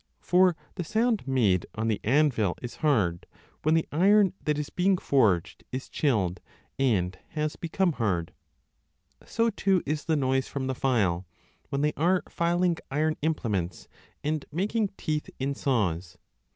For the 8o3 a sound made on the anvil is hard l when the iron that is being forged is chilled and has become hard. So, too, is the noise from the file, when they are filing iron implements and making teeth in saws.